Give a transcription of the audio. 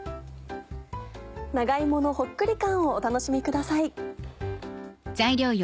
長芋のほっくり感をお楽しみください。